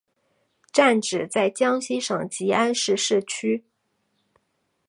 站址在江西省吉安市市区。